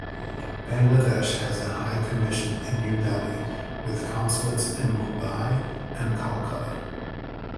Bangladesh has a high commission in New Delhi with consulates in Mumbai and Kolkata.